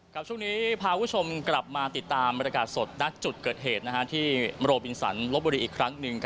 ช่วงนี้พาคุณผู้ชมกลับมาติดตามบรรยากาศสดณจุดเกิดเหตุที่โรบินสันลบบุรีอีกครั้งหนึ่ง